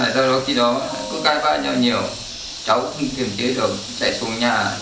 do đó khi đó cô gái vợ nhau nhiều cháu không kiểm trí được chạy xuống nhà